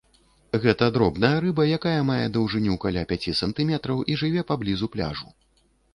Гэта дробная рыба, якая мае даўжыню каля пяці сантыметраў, і жыве паблізу пляжу.